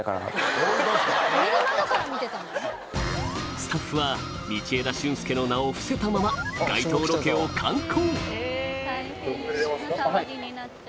スタッフは道枝駿佑の名を伏せたまま街頭ロケを敢行